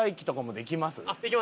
できますよ。